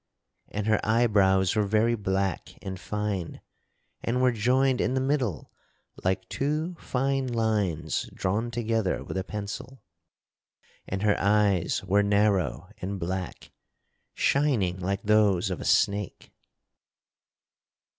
And her eyebrows were very black and fine and were joined in the middle like two fine lines drawn together with a pencil, and her eyes were narrow and black, shining like those of a snake.